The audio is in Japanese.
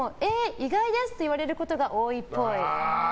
意外です！と言われることが多いっぽい。